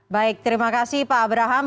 baik terima kasih pak abraham